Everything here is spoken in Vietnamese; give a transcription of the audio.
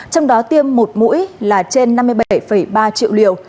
trong đó tiêm một mũi là trên năm mươi bảy ba triệu liều